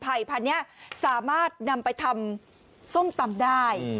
พันธุ์นี้สามารถนำไปทำส้มตำได้